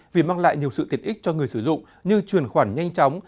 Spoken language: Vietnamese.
vì mang lại nhiều sự tiện ích cho người sử dụng như truyền khoản nhanh chóng